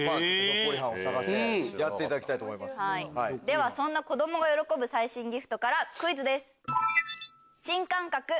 ではそんな子どもが喜ぶ最新ギフトからクイズです。